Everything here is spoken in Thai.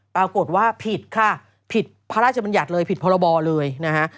ปรากฏว่าผิดค่ะผิดพระราชบัญญัติเลยผิดพรบเลยนะฮะ